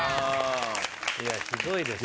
いやひどいですね。